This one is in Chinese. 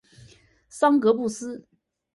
桑格布斯。